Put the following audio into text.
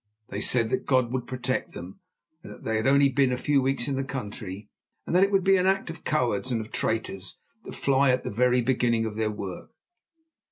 They said that God would protect them; that they had only been a few weeks in the country, and that it would be the act of cowards and of traitors to fly at the very beginning of their work.